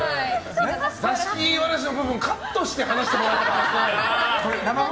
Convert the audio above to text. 座敷わらしの部分カットして話してもらいたかったな。